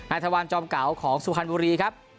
อัธวันจอมเก่าของสุฮันต์บุรีครับ